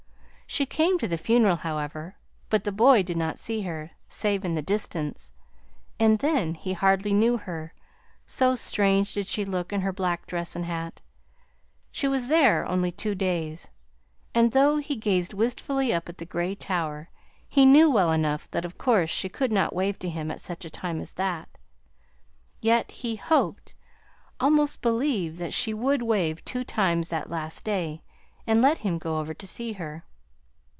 She came to the funeral, however, but the boy did not see her, save in the distance; and then he hardly knew her, so strange did she look in her black dress and hat. She was there only two days, and though he gazed wistfully up at the gray tower, he knew well enough that of course she could not wave to him at such a time as that. Yet he had hoped almost believed that she would wave two waves that last day, and let him go over to see her.